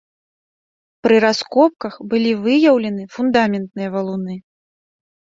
Пры раскопках былі выяўлены фундаментныя валуны.